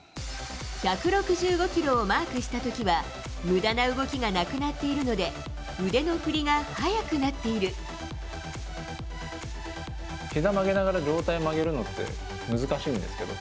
１６５キロをマークしたときは、むだな動きがなくなっているので、ひざ曲げながら上体曲げるのって難しいんですよ。